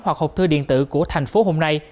hoặc hộp thư điện tử của thành phố hôm nay